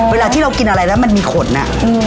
เวลาที่เรากินอะไรแล้วมันมีขนอะ